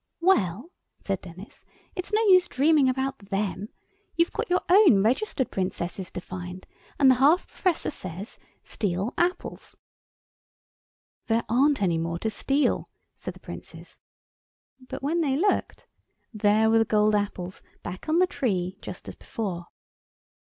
"Well," said Denis, "it's no use dreaming about them. You've got your own registered Princesses to find, and the half Professor says, 'Steal apples.'" "There aren't any more to steal," said the Princes—but when they looked, there were the gold apples back on the tree just as before.